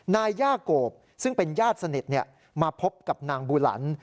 นายย่าโกบซึ่งเป็นญาติสนิทมาพบกับนางบูหลัน